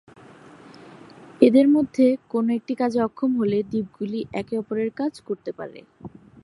এদের মধ্যে কোন একটি কাজে অক্ষম হলে দ্বীপগুলি একে অপরের কাজ করতে পারে।